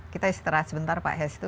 kita istirahat sebentar pak hestu